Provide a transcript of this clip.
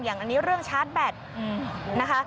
อย่างนี้เรื่องชาร์จแบตนะคะ